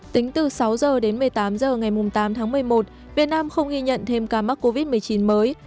tính từ sáu h đến một mươi tám h ngày tám tháng một mươi một việt nam không ghi nhận thêm ca mắc covid một mươi chín mới